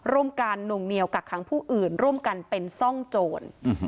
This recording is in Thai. ร่วมกันหน่วงเหนียวกักขังผู้อื่นร่วมกันเป็นซ่องโจร